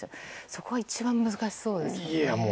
そこが難しそうですね。